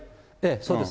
そうです。